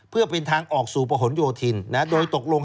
เพื่อเป็นทางออกสู่ประหลโยธินโดยตกลง